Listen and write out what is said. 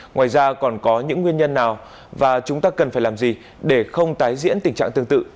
ngoài ra còn có những nguyên nhân nào và chúng ta cần phải làm gì để không tái diễn tình trạng tương tự